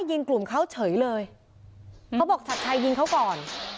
ยิงกลุ่มเขาเฉยเลยเขาบอกชัดชัยยิงเขาก่อน